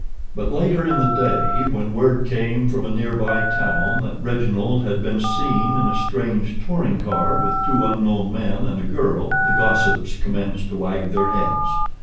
But later in the day when word came from a nearby town that Reginald had been seen in a strange touring car with two unknown men and a girl, the gossips commenced to wag their heads.